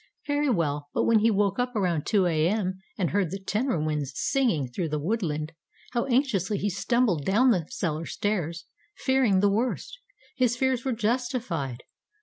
Very well; but when he woke up around 2 A.M. and heard the tenor winds singing through the woodland, how anxiously he stumbled down the cellar stairs, fearing the worst. His fears were justified.